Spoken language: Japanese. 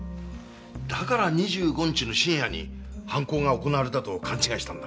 だから２５日の深夜に犯行が行われたと勘違いしたんだ。